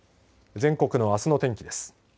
全国のあすの天気です。